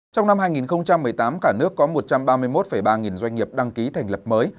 trong năm hai nghìn một mươi tám cả nước có một trăm ba mươi một ba nghìn doanh nghiệp đăng ký thành lập mới